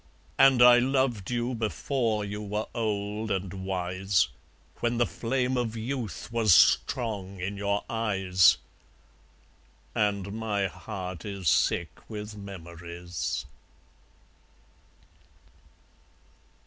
And I loved you before you were old and wise, When the flame of youth was strong in your eyes, And my heart is sick with memories.